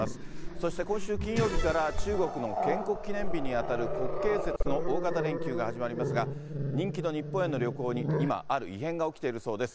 そして今週金曜日から中国の建国記念日にあたる国慶節の大型連休が始まりますが、人気の日本への旅行に、今、ある異変が起きているそうです。